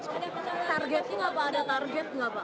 targetnya apa ada target apa